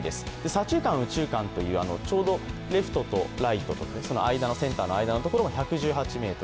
左中間、右中間というレフトとライトというセンターの間のところが１１８ｍ。